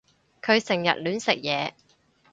佢成日亂食嘢